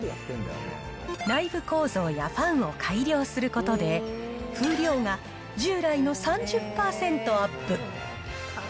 内部構造やファンを改良することで、風量が従来の３０％アップ。